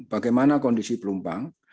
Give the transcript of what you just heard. bagaimana kondisi pelumpang